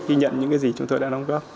khi nhận những cái gì chúng tôi đã đóng góp